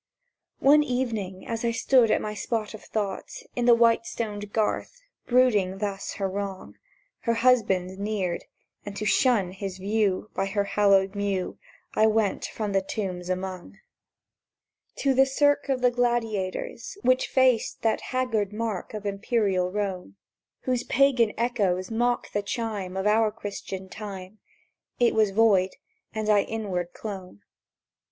One eve as I stood at my spot of thought In the white stoned Garth, brooding thus her wrong, Her husband neared; and to shun his view By her hallowed mew I went from the tombs among To the Cirque of the Gladiators which faced— That haggard mark of Imperial Rome, Whose Pagan echoes mock the chime Of our Christian time: It was void, and I inward clomb.